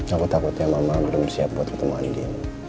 aku takutnya mama belum siap buat bertemu andi